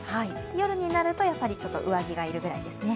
夜になるとやはり上着が要るぐらいですね。